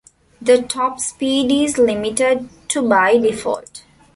The top speed is limited to by default.